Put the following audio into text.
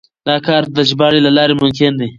دا کار د ژباړې له لارې ممکن دی.